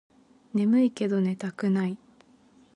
ねむいけど寝たくない